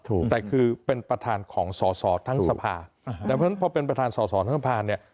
ถูกแต่คือเป็นประธานของสอสอทั้งสภาดังเพราะฉะนั้นพอเป็นประธานสอสอทั้งสภาเนี่ย